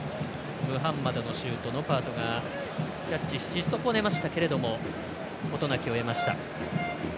ムハンマドのシュートノパートがキャッチし損ねましたけど事なきを得ました。